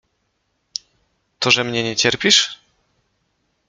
To, że mnie nie cierpisz?